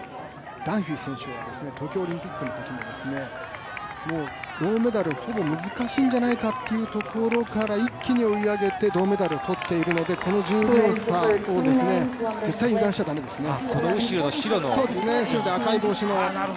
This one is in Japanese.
ダンフィー選手は東京オリンピックのときに銅メダルほぼ難しいんじゃないかというところから一気に追い上げて、銅メダルをとっているのでこの１０秒差を油断しちゃいけないですね。